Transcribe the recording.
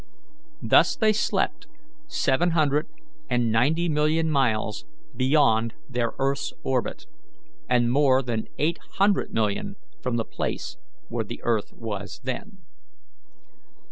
Thus they slept seven hundred and ninety million miles beyond their earth's orbit, and more than eight hundred million from the place where the earth was then.